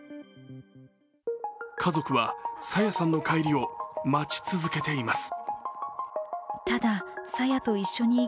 家族は朝芽さんの帰りを待ち続けています。